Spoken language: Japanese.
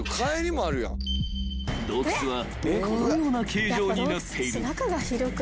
［洞窟はこのような形状になっている］